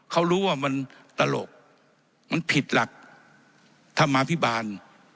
เขารู้ว่ามันตลกมันผิดหลักธรรมาภิบาล